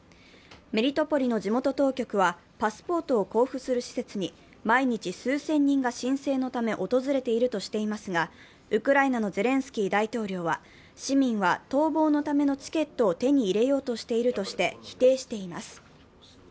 メリトポリの地元当局は、パスポートを交付する施設に毎日数千人が申請のため訪れているとしていますが、ウクライナのゼレンスキー大統領は市民は逃亡のためのチケットを手に入れようとしているとして否定しています。